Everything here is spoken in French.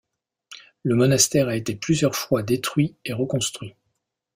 Le monastère a été plusieurs fois détruit et reconstruit.